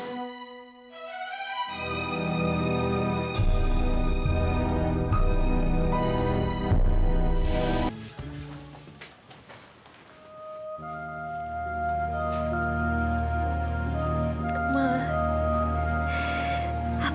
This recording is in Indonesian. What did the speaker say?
saya tidak akan menikah sama haris